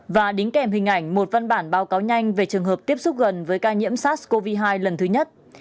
và đính kèm hình ảnh một văn bản báo cáo nhanh về trường hợp tiếp xúc gần với ca nhiễm sars cov hai lần thứ nhất